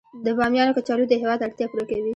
د بامیان کچالو د هیواد اړتیا پوره کوي